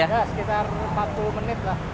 ya sekitar empat puluh menit lah